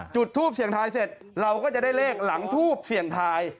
จุดทูปเสี่ยงทายเสร็จเราก็จะได้เลขหลังทูบเสี่ยงทาย